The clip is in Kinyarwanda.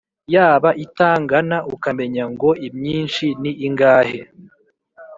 yaba itangana, ukamenya ngo imyinshi ni ingahe